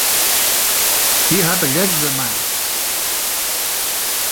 Hy hat de gek dermei.